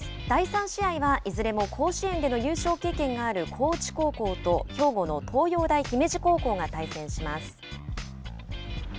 第３試合はいずれも甲子園での優勝経験がある高知高校と兵庫の東洋大姫路高校が対戦します。